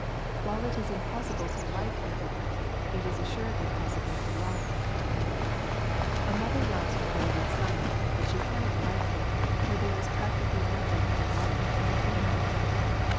While it is im possible to like everybody, it is assuredly possible to love everybody. A mother loves her wayward son, but she cannot like him, for there is practically nothing " alike " between them.